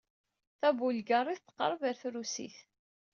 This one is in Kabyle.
Tabulgaṛit teqreb ɣer trusit.